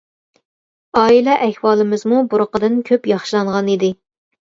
ئائىلە ئەھۋالىمىزمۇ بۇرۇنقىدىن كۆپ ياخشىلانغان ئىدى.